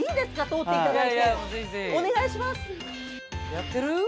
「やってる？」